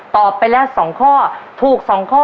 ตอบไปแล้วสองข้อถูกสองข้อ